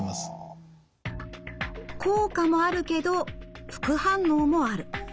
効果もあるけど副反応もある。